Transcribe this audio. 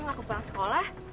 aku pengen jadi polis